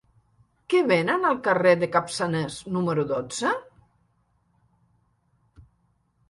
Què venen al carrer de Capçanes número dotze?